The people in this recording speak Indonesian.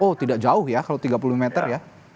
oh tidak jauh ya kalau tiga puluh meter ya